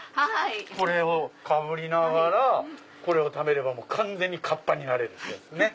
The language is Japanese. これをかぶりながらこれを食べれば完全にカッパになれるんですね。